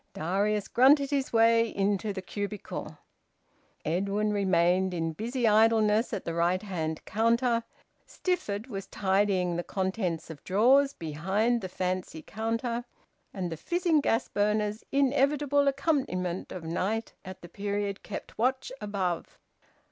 Darius grunted his way into the cubicle. Edwin remained in busy idleness at the right hand counter; Stifford was tidying the contents of drawers behind the fancy counter. And the fizzing gas burners, inevitable accompaniment of night at the period, kept watch above.